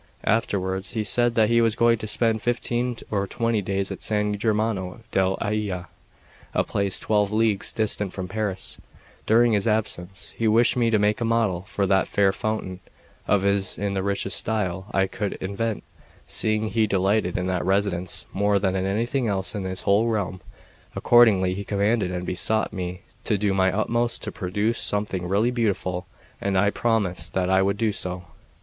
Afterwards he said that he was going to spend fifteen or twenty days at San Germano del Aia, a place twelve leagues distant from Paris; during his absence he wished me to make a model for that fair fountain of his in the richest style I could invent, seeing he delighted in that residence more than in anything else in his whole realm. Accordingly he commanded and besought me to do my utmost to produce something really beautiful; and I promised that I would do so.